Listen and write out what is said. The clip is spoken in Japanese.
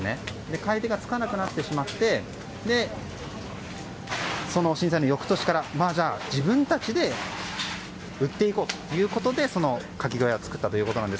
買い手がつかなくなってしまってその震災の翌年から、自分たちで売っていこうということでカキ小屋を作ったということです。